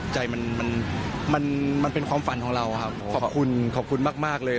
ใจมันมันเป็นความฝันของเราครับขอบคุณขอบคุณมากเลย